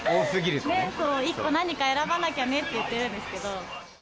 そう、１個何か選ばなきゃねって言ってるんですけど。